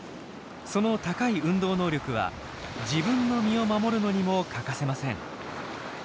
その高い運動能力は自分の身を守るのにも欠かせません。